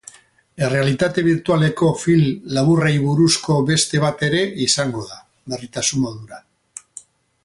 Errealitate birtualeko film laburrei buruzko beste bat ere izango da, berritasun modura.